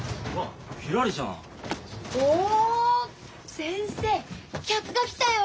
先生客が来たよ！